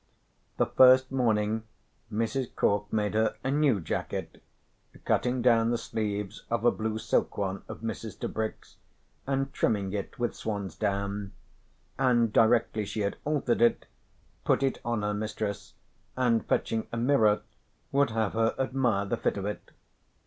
The first morning Mrs. Cork made her a new jacket, cutting down the sleeves of a blue silk one of Mrs. Tebrick's and trimming it with swan's down, and directly she had altered it, put it on her mistress, and fetching a mirror would have her admire the fit of it.